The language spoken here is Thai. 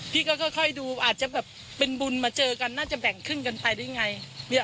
พี่ก็ค่อยดูอาจจะแบบเป็นบุญมาเจอกันน่าจะแบ่งขึ้นกันไปได้ไง